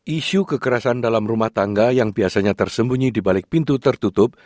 isu kekerasan dalam rumah tangga yang biasanya tersembunyi di balik pintu tertutup